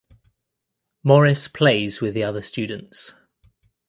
Morris plays with the other students.